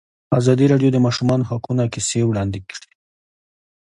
ازادي راډیو د د ماشومانو حقونه کیسې وړاندې کړي.